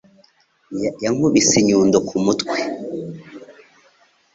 Yankubise inyundo ku mutwe.